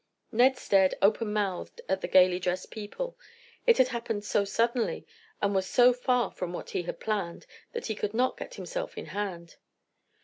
Ned stared open mouthed at the gaily dressed people. It had happened so suddenly, and was so far from what he had planned, that he could not get himself in hand.